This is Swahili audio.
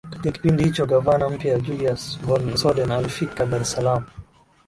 Katika kipindi hicho gavana mpya Julius von Soden alifika Dar es Salaam